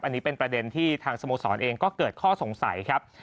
อันนี้เป็นประเด็นที่ทางสโมสรเองก็เกิดข้อสงสัยครับ